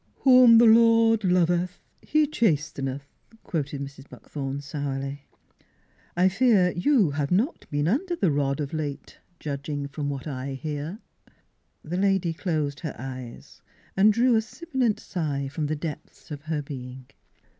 "* Whom the Lord loveth he chas teneth,' " quoted Mrs. Buckthorn sourly. " I fear you have not been under the rod of late, judging from what I hear." The lad}' closed her eyes, and drew a sibilant sigh from the depths of her being.